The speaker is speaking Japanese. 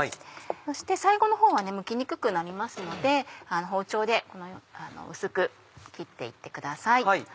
そして最後のほうはむきにくくなりますので包丁で薄く切って行ってください。